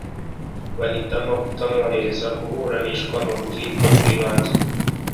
bahitamo kutamwohereza kuburanishwa mu rukiko rw’ibanze